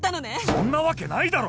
そんなわけないだろ